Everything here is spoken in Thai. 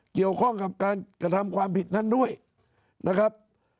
เกี่ยวข้องกับการกระทำความผิดท่านด้วยนะครับ